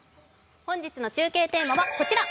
本日の中継テーマはこちら。